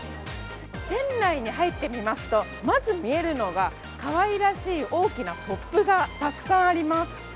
店内に入ってみますとまず見えるのがかわいらしい大きなポップがたくさんあります。